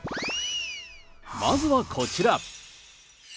まずはこちら。